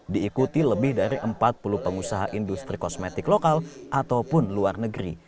diikuti lebih dari empat puluh pengusaha industri kosmetik lokal ataupun luar negeri